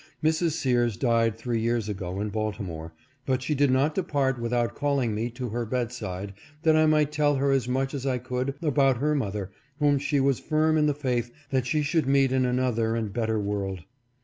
Mrs. Sears died three years ago in Baltimore, but she did not depart without calling me to her bedside, that I might tell her as much as I could about her mother, whom she was firm in the faith that she should meet in another and better world.